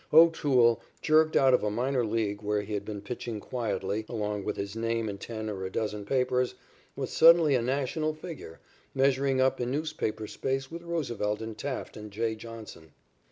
O'Toole, jerked out of a minor league where he had been pitching quietly, along with his name in ten or a dozen papers, was suddenly a national figure, measuring up in newspaper space with Roosevelt and Taft and J. Johnson.